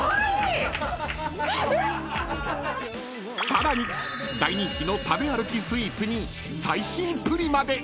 ［さらに大人気の食べ歩きスイーツに最新プリまで］